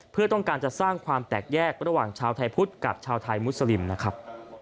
เพื่อต้องการจะสร้างความแตกแยกระหว่างชาวไทยพุทธกับชาวไทยมุสลิมนะครับ